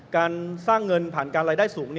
การสร้างเงินผ่านการรายได้สูง